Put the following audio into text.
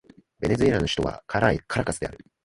ベネズエラの首都はカラカスである